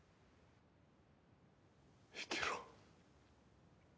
生きろ